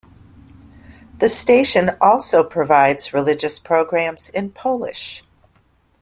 The station also provides religious programs in Polish.